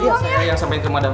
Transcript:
nanti saya yang sampein ke madam